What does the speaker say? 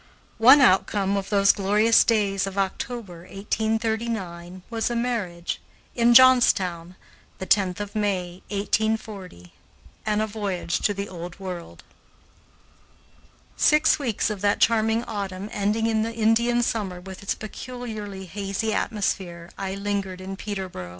One outcome of those glorious days of October, 1839, was a marriage, in Johnstown, the 10th day of May, 1840, and a voyage to the Old World. Six weeks of that charming autumn, ending in the Indian summer with its peculiarly hazy atmosphere, I lingered in Peterboro.